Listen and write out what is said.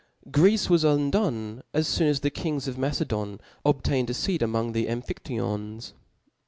Greece was undone as loon as the •kings of Mace ddn obtained a feat among the Ara; ■.phiAyons.